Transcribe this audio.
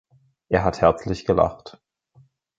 Er hat herzlich gelacht.